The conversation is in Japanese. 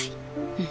うん。